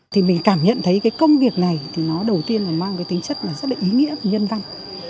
thì mình cảm nhận thấy công việc này đầu tiên mang tính chất rất ý nghĩa nhân văn